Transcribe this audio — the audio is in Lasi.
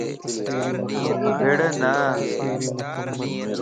وڙونا